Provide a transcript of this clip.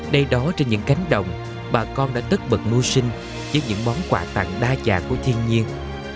đây đó trên những cánh đồng bà con đã tất bật mua sinh trước những món quà tặng đa dạng của thiên nhiên